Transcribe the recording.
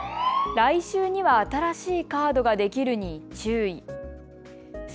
来週には新しいカードができます。